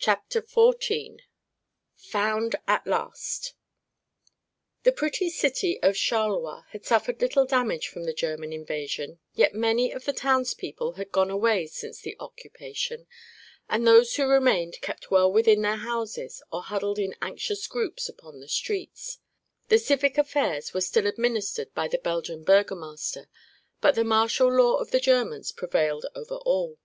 CHAPTER XIV FOUND AT LAST The pretty city of Charleroi had suffered little damage from the German invasion, yet many of the townspeople had gone away since the occupation and those who remained kept well within their houses or huddled in anxious groups upon the streets. The civic affairs were still administered by the Belgian burgomaster, but the martial law of the Germans prevailed over all.